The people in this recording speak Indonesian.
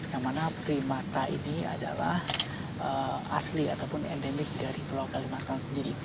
yang mana primata ini adalah asli ataupun endemik dari pulau kalimantan sendiri